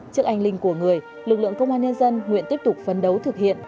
trước anh linh của người lực lượng công an nhân dân nguyện tiếp tục phấn đấu thực hiện